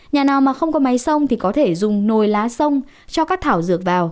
nhà nào mà không có máy sông thì có thể dùng nồi lá sông cho các thảo dược vào